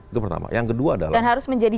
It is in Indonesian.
itu pertama yang kedua adalah harus menjadi